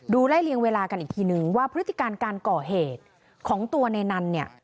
ไล่เลียงเวลากันอีกทีนึงว่าพฤติการการก่อเหตุของตัวในนั้นเนี่ย